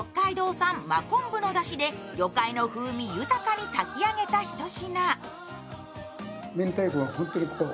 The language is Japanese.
北海道産、真昆布のだしで魚介の風味豊かに炊き上げた一品。